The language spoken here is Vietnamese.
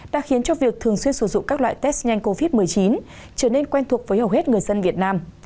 đã khiến cho việc thường xuyên sử dụng các loại test nhanh covid một mươi chín trở nên quen thuộc với hầu hết người dân việt nam